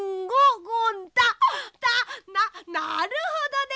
なるほどね！